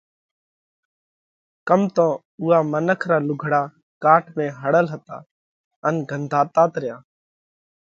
ڪم تو اُوئا منک را لُوگھڙا ڪاٽ ۾ ۿڙل هتا ان گھنڌاتات ريا۔